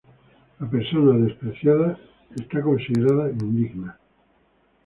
La persona despreciada es considerada indigna.